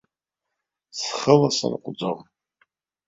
Схы ласырҟәӡом.